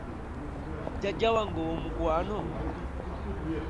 Jjajja wange owoomukwano?